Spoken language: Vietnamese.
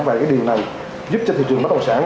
và cái điều này giúp cho thị trường bất động sản